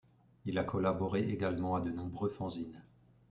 Il a collaboré également à de nombreux fanzines.